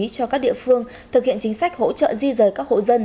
cho các địa phương thực hiện chính sách hỗ trợ di rời các hộ dân